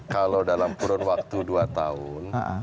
kalau dalam kurun waktu dua tahun